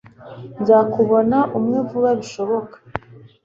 nzakubona umwe vuba bishoboka